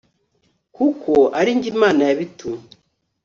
kuko ari jye imana yabitumye